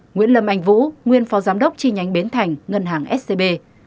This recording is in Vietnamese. nguyễn lâm anh vũ nguyên phó giám đốc chi nhánh bến thành ngân hàng scb